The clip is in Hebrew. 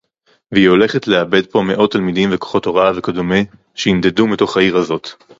והיא הולכת לאבד פה מאות תלמידים וכוחות הוראה וכדומה שינדדו מתוך העיר הזאת